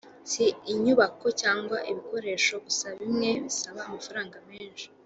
si inyubako cyangwa ibikoresho gusa bimwe bisaba amafaranga menshi